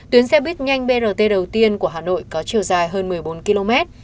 tuyến xe buýt nhanh brt đầu tiên của hà nội có chiều dài hơn một mươi bốn km